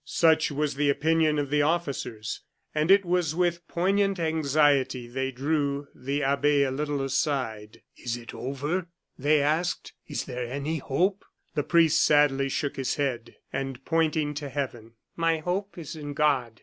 Such was the opinion of the officers; and it was with poignant anxiety they drew the abbe a little aside. "Is it all over?" they asked. "Is there any hope?" The priest sadly shook his head, and pointing to heaven: "My hope is in God!"